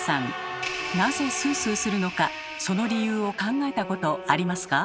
なぜスースーするのかその理由を考えたことありますか？